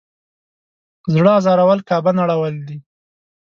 زړه ازارول کعبه نړول دی.